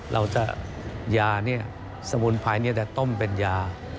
เราจะยาเนี่ยสมุนไพรจะต้มเป็นยา